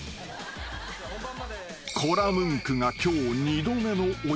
［コラムンクが今日二度目のお祝いに］